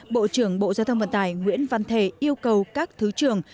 bộ trưởng bộ giao thông vận tài nguyễn văn thề yêu cầu các thứ trường